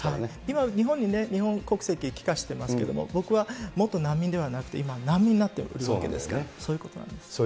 今、日本に、日本国籍、帰化してますけれども、僕は元難民ではなくて、今、難民になってるわけですから、そういうことなんです。